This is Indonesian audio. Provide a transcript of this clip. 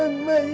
jangan mak itu